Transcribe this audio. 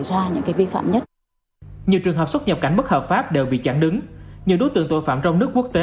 lập nên những trường hợp tội phạm trong nước quốc tế